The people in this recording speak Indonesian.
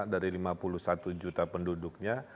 dari lima puluh satu juta penduduknya